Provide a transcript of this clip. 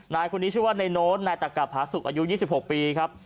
นายคนนี้ชื่อว่านายโน้ตนายตะกะผาสุกอายุ๒๖ปีครับ